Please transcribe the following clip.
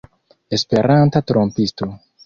Esperanta trompisto!